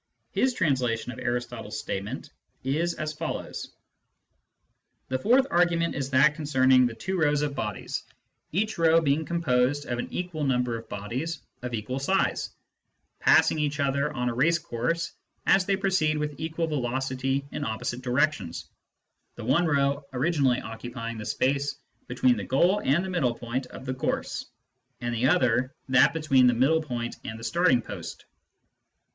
His translation of Aristotle's statement is as follows : "The fourth argument is that concerning the two rows of bodies, each row being composed of an equal number of bodies of equal size, passing each other on a race course as they proceed with equal velocity in opposite directions, the one row originally occupying the space between the goal and the middle point of the course, and the other that between the middle point and the starting post.